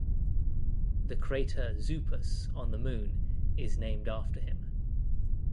The crater Zupus on the Moon is named after him.